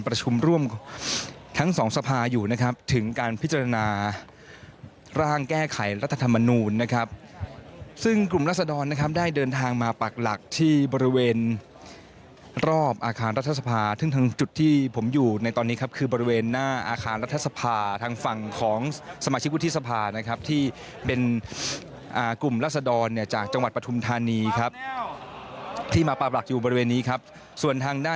ประชุมร่วมทั้งสองสภาอยู่นะครับถึงการพิจารณาร่างแก้ไขรัฐธรรมนุมนะครับซึ่งกลุ่มรัฐสดรนะครับได้เดินทางมาปรักหลักที่บริเวณรอบอาคารรัฐสภาซึ่งทางจุดที่ผมอยู่ในตอนนี้ครับคือบริเวณหน้าอาคารรัฐสภาทางฝั่งของสมาชิกวุฒิสภานะครับที่เป็นอ่ากลุ่มรัฐสดรเนี่ยจากจังหว